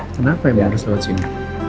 kenapa ini harus lewat sini